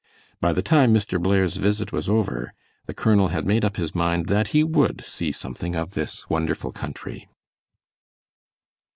By the time Mr. Blair's visit was over, the colonel had made up his mind that he would see something of this wonderful country.